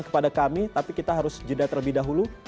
kepada kami tapi kita harus jeda terlebih dahulu